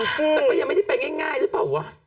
แต่ก็ยังไม่ได้ไปง่ายหรือเปล่าวะ